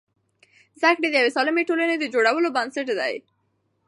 زده کړه د یوې سالمې ټولنې د جوړولو بنسټ دی.